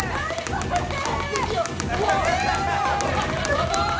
すごーい！